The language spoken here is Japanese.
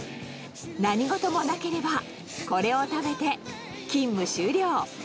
何事もなければ、これを食べて勤務終了。